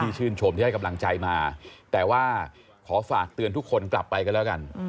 ชื่นชมที่ให้กำลังใจมาแต่ว่าขอฝากเตือนทุกคนกลับไปกันแล้วกัน